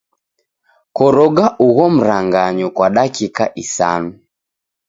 Koroga ugho mranganyo kwa dakika isanu.